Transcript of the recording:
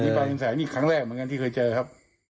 อันนี้มาเป็นแสงครั้งแรกเหมือนกันที่เคยเจอครับ